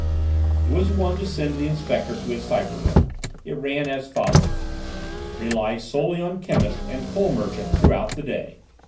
It was one to send the Inspector to his cipher book. It ran as follows: "Rely solely on chemist and coal merchant throughout the day.